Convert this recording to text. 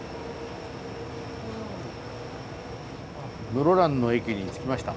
室蘭の駅に着きました。